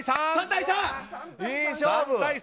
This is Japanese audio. いい勝負！